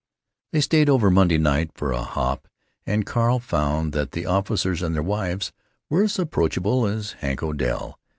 They stayed over Monday night, for a hop, and Carl found that the officers and their wives were as approachable as Hank Odell.